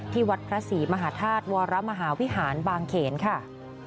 วัดพระศรีมหาธาตุวรมหาวิหารบางเขนค่ะ